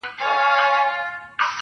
o هلته پاس چي په سپوږمـۍ كــي.